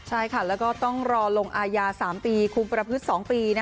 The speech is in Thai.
ใช่ค่ะแล้วก็ต้องรอลงอายา๓ปีคุมประพฤติ๒ปี